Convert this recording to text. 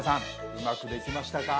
うまくできましたか？